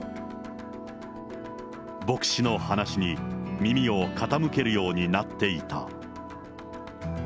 牧師の話に耳を傾けるようになっていた。